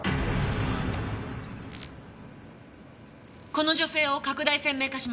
この女性を拡大鮮明化します。